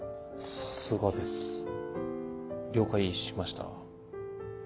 さすがです了解しました。